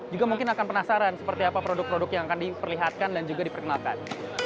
juga mungkin akan penasaran seperti apa produk produk yang akan diperlihatkan dan juga diperkenalkan